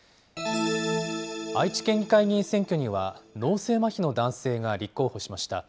愛知県議会議員選挙には、脳性まひの男性が立候補しました。